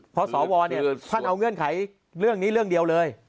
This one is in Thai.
เพราะสวท่านเอาเงื่อนไขเรื่องนี้เรื่องเดียวเลย